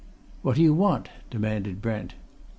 "What do you want?" demanded Brent.